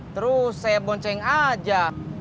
terus saya bonceng aja